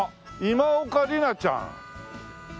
今岡里奈ちゃん。